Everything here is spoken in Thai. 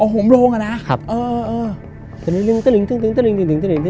อ๋อโหมโลงอะนะ